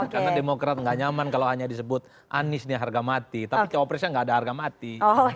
karena demokrat gak nyaman kalau hanya disebut anies nih harga mati tapi cawapresnya gak ada harga mati